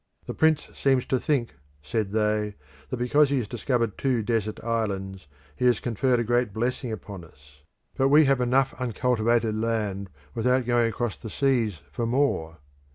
"The Prince seems to think," said they, "that because he has discovered two desert islands he has conferred a great blessing upon us but we have enough uncultivated land without going across the seas for more.